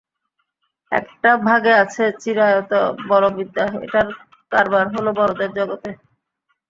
একটা ভাগে আছে চিরায়ত বলবিদ্যা, এটার কারবার হলো বড়দের জগতে।